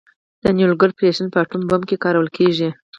د نیوکلیر فیشن په اټوم بم کې کارول کېږي.